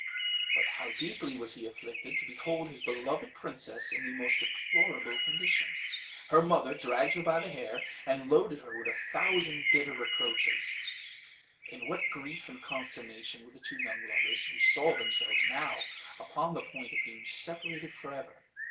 But how deeply was he afflicted, to behold his beloved princess in the most deplorable condition! Her mother dragged her by the hair, and loaded her with a thousand bitter reproaches. In what grief and consternation were the two young lovers, who saw themselves now upon the point of being separated for ever!